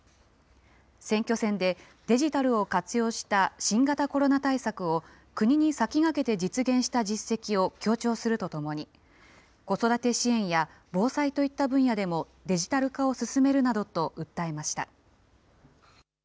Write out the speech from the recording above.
選挙戦でデジタルを活用した新型コロナ対策を国に先駆けて実現した実績を強調するとともに、子育て支援や防災といった分野でもデジタル化を進めるなどと訴えました。